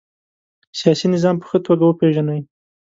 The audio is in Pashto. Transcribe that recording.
سیاسي نظام په ښه توګه وپيژنئ.